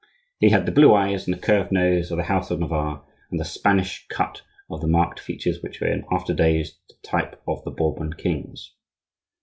He had the blue eyes and the curved nose of the house of Navarre, and the Spanish cut of the marked features which were in after days the type of the Bourbon kings.